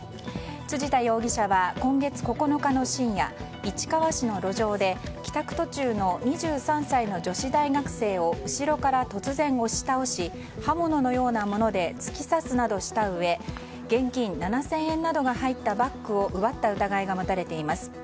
辻田容疑者は今月９日の深夜市川市の路上で帰宅途中の２３歳の女子大学生を後ろから突然押し倒し刃物のようなもので突き刺すなどしたうえ現金７０００円などが入ったバッグを奪った疑いが持たれています。